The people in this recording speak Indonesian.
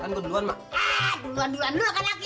aduh duluan duluan lo kan lagi